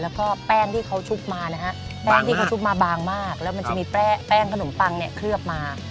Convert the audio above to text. แล้วก็แป้งที่เขาชุบมานะฮะแป้งที่เขาชุบมาบางมากแล้วมันจะมีแป้งขนมปังเนี่ยเคลือบมา